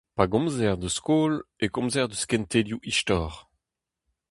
Pa gomzer eus skol e komzer eus kentelioù istor…